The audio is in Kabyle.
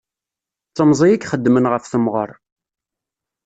D temẓi i ixeddmen ɣef temɣer.